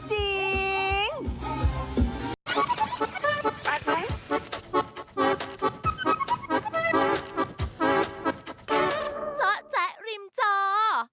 จ๊อกแจ๊กริมจอง